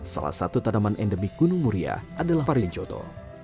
salah satu tanaman endemik gunung muria adalah warlinjoto